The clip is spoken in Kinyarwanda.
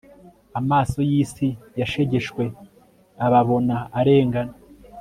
amaso yisi yashegeshwe ababona arengana